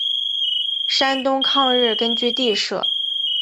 山东抗日根据地设。